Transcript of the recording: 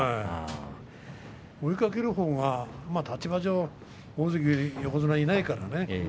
追いかける方が立場上大関横綱がいないからね。